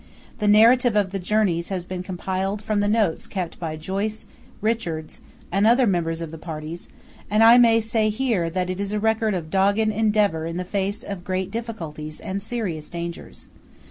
The narrative of the journeys has been compiled from the notes kept by Joyce, Richards, and other members of the parties, and I may say here that it is a record of dogged endeavour in the face of great difficulties and serious dangers.